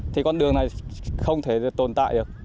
thì con đường này không thể tồn tại được